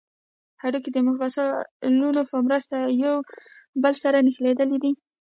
هډوکي د مفصلونو په مرسته یو بل سره نښلیدلي دي